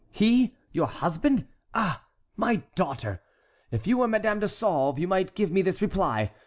He, your husband? Ah, my daughter! if you were Madame de Sauve you might give me this reply.